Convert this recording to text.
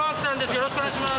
よろしくお願いします。